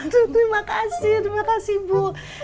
terima kasih terima kasih bu